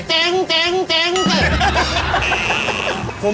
เจ๊งเจ๊งเจ๊งเจ๊ง